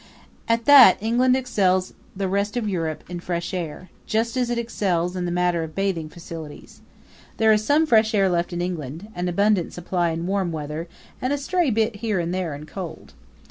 At that, England excels the rest of Europe in fresh air, just as it excels it in the matter of bathing facilities. There is some fresh air left in England an abundant supply in warm weather, and a stray bit here and there in cold.